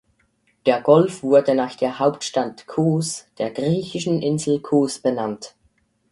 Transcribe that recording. Der Golf wurde nach der Hauptstadt Kos der griechischen Insel Kos benannt.